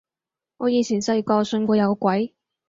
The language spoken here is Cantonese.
我以前細個信過有鬼